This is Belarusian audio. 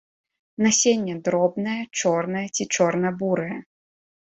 Насенне дробнае, чорнае ці чорна-бурае.